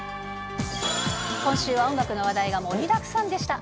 今週は音楽の話題がもりだくさんでした。